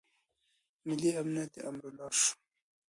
ملي امنیت د امرالله شو.